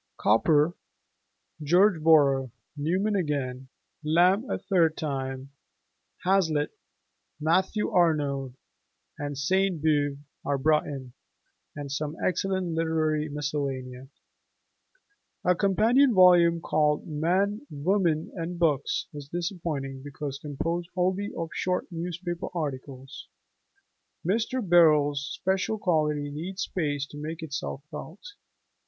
Cowper, George Borrow, Newman again, Lamb a third time (and fresh as ever), Hazlitt, Matthew Arnold, and Sainte Beuve are brought in, and some excellent literary miscellanea. A companion volume called 'Men, Women, and Books' is disappointing because composed wholly of short newspaper articles: Mr. Birrell's special quality needs space to make itself felt.